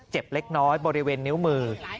เล็กน้อยบริเวณนิ้วมือ